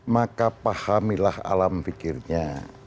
maka pahamilah alam pikirnya